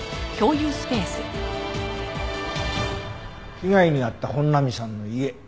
被害に遭った本並さんの家。